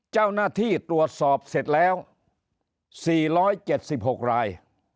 เจ้าหน้าที่ตรวจสอบเสร็จแล้ว๔๗๖ราย